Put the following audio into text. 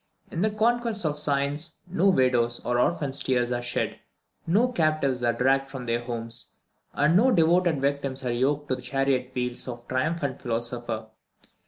In the conquests of science no widow's or orphan's tears are shed, no captives are dragged from their homes, and no devoted victims are yoked to the chariot wheels of the triumphant philosopher.